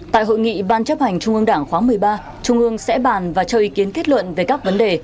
tại hội nghị ban chấp hành trung ương đảng khóa một mươi ba trung ương sẽ bàn và cho ý kiến kết luận về các vấn đề